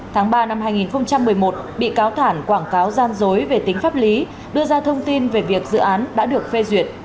tháng ba năm hai nghìn một mươi một bị cáo thản quảng cáo gian dối về tính pháp lý đưa ra thông tin về việc dự án đã được phê duyệt